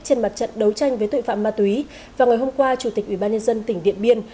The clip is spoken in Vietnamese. trên mặt trận đấu tranh với tội phạm ma túy vào ngày hôm qua chủ tịch ubnd tỉnh điện biên